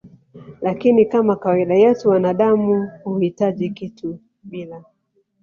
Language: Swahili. lakini Kama kawaida yetu wanaadamu huhitaji kitu bila